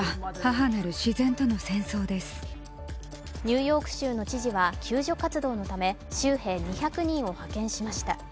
ニューヨーク州の知事は救助活動のため、州兵２００人を派遣しました。